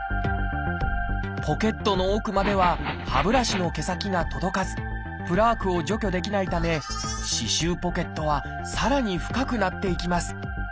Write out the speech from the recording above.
ポケットの奥までは歯ブラシの毛先が届かずプラークを除去できないため歯周ポケットはさらに深くなっていきます。